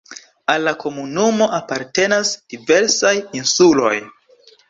Al la komunumo apartenas diversaj insuloj.